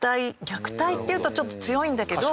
虐待って言うとちょっと強いんだけど。